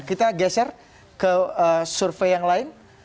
kita geser ke survei yang lain